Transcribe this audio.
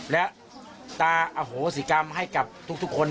และตาอโหสิกรรมให้กับทุกคน